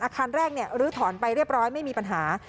อาคารแรกลื้อถอนไปเรียบร้อยไม่มีปัญหา